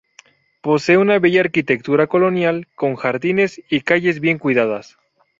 Posee una bella arquitectura colonial, con jardines y calles bien cuidadas.